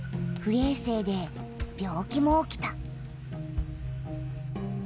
えい生で病気も起きた。